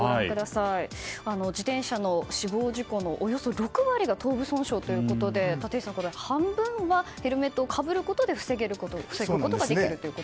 自転車の死亡事故のおよそ６割が頭部損傷ということで立石さん、半分がヘルメットをかぶることで防ぐことができると。